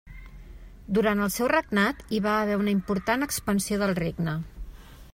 Durant el seu regnat hi va haver una important expansió del regne.